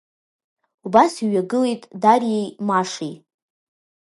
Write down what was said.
Убас иҩагылеит Дариеи Машеи.